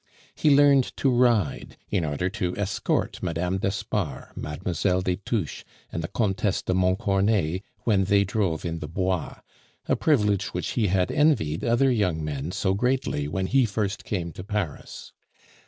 He learned to ride, in order to escort Mme. d'Espard, Mlle. des Touches, and the Comtesse de Montcornet when they drove in the Bois, a privilege which he had envied other young men so greatly when he first came to Paris.